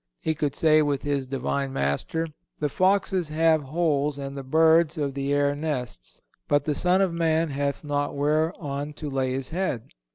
He could say with his Divine Master: "The foxes have holes and the birds of the air nests, but the Son of Man hath not whereon to lay his head."